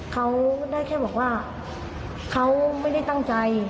เขาได้แค่บอกว่าเขาไม่ได้ตั้งใจ